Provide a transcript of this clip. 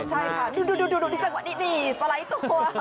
ใช่ค่ะดูนี่จังหวะนี้นี่สไลด์ตัว